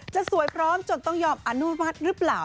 จะสวยพร้อมจนต้องยอมอนุมัติหรือเปล่า